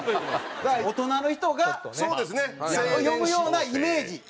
大人の人が読むようなイメージ。